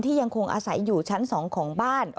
ยังคงอาศัยอยู่ชั้น๒ของบ้าน